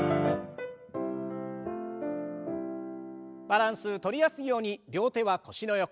バランスとりやすいように両手は腰の横。